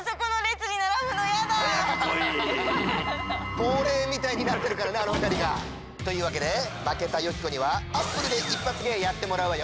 ぼうれいみたいになってるからねあのふたりが。というわけで負けたよき子には「アップル」で一発芸やってもらうわよ。